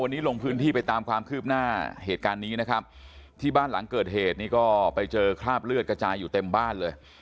วันนี้ลงพื้นที่ไปตามความคืบหน้าเหตุการณ์นี้นะครับที่บ้านหลังเกิดเหตุนี่ก็ไปเจอคราบเลือดกระจายอยู่เต็มบ้านเลย